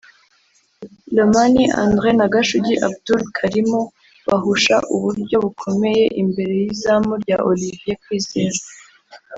Lomami Andre na Gashugi Abdoul Karimu bahusha uburyo bukomeye imbere y’izamu rya Olivier Kwizera